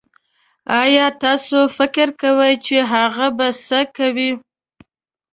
ايا تاسو فکر کوي چې هغه به سه کوئ